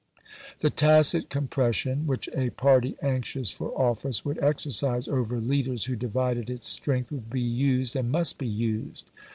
The tacit compression which a party anxious for office would exercise over leaders who divided its strength, would be used and must be used.